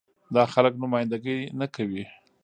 دا خلک نماينده ګي نه کوي.